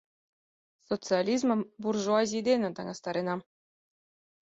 Социализмым буржуазий дене таҥастаренам.